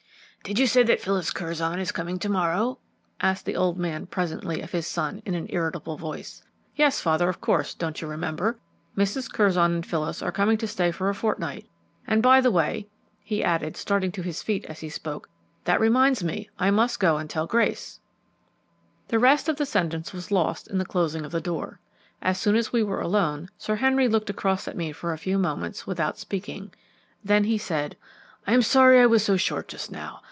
"Did you say that Phyllis Curzon is coming to morrow?" asked the old man presently of his son in an irritable voice. "Yes, father, of course; don't you remember? Mrs. Curzon and Phyllis are coming to stay for a fortnight; and, by the way," he added, starting to his feet as he spoke, "that reminds me I must go and tell Grace " The rest of the sentence was lost in the closing of the door. As soon as we were alone, Sir Henry looked across at me for a few moments without speaking. Then he said, "I am sorry I was so short just now.